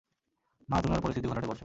মা, তুমি আরো পরিস্থিতি ঘোলাটে করছ!